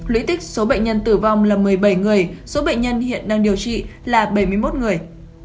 lũy tích số bệnh nhân tử vong là một mươi bảy người số bệnh nhân hiện đang điều trị là bảy mươi một người